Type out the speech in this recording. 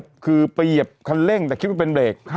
ก็เลยระเบิดขึ้นคือไปเหยียบคันเร่งแต่คิดว่าเป็นเบรก